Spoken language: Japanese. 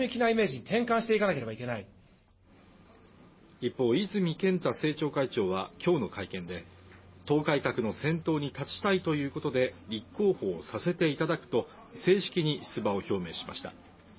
一方、泉健太政調会長は今日の会見で、党改革の先頭に立ちたいということで、立候補させていただくと、正式に出馬を表明しました。